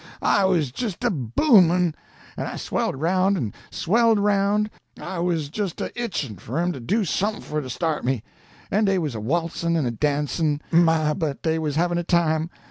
I was jist A BOOMIN'! I swelled aroun', an swelled aroun'; I jist was a itchin' for 'em to do somefin for to start me. AN' dey was a waltzin' an a dancin'! MY! but dey was havin' a time!